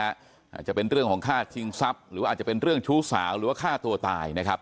อาจจะเป็นเรื่องของฆ่าชิงทรัพย์หรือว่าอาจจะเป็นเรื่องชู้สาวหรือว่าฆ่าตัวตายนะครับ